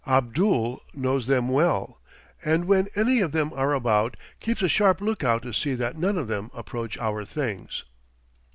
Abdul knows them well, and when any of them are about, keeps a sharp lookout to see that none of them approach our things.